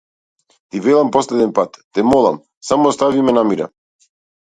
Ти велам последен пат, те молам, само остави ме на мира.